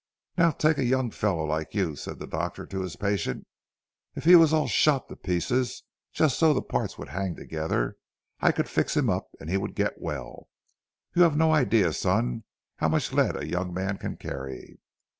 "'Now take a young fellow like you,' said the doctor to his patient, 'if he was all shot to pieces, just so the parts would hang together, I could fix him up and he would get well. You have no idea, son, how much lead a young man can carry.'